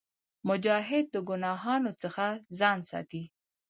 مجاهد د ګناهونو څخه ځان ساتي.